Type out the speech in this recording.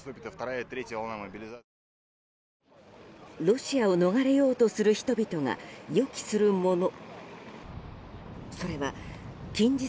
ロシアを逃れようとする人々が予期するもの。